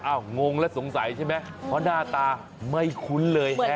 งงแล้วสงสัยใช่ไหมเพราะหน้าตาไม่คุ้นเลยฮะ